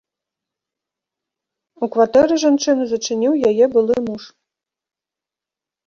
У кватэры жанчыну зачыніў яе былы муж.